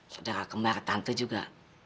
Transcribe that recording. saudara kemar tante juga